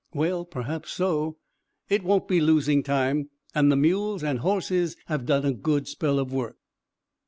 "Well, perhaps so." "It won't be losing time, and the mules and horses have done a good spell of work."